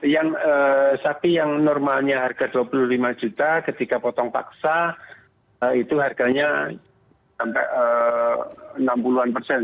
yang sapi yang normalnya harga dua puluh lima juta ketika potong paksa itu harganya sampai enam puluh an persen